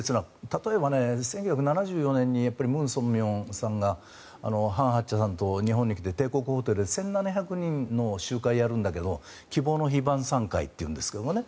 例えば１９７４年にムン・ソンミョンさんがハン・ハクチャさんと日本に来て帝国ホテルで１７００人の集会をやるんだけど希望の灯晩さん会っていうんですけどね。